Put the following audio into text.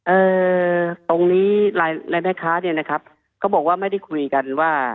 เอ่อตรงนี้รายแม่ค้าเนี่ยนะครับเขาบอกว่าไม่ได้คุยกันว่า